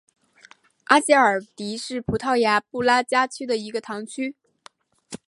阿吉尔迪是葡萄牙布拉加区的一个堂区。